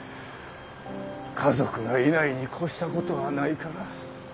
家族がいないに越した事はないから。